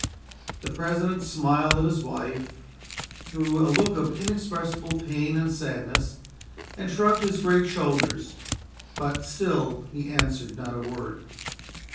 The President smiled at his wife, through a look of inexpressible pain and sadness, and shrugged his great shoulders, but "still he answered not a word."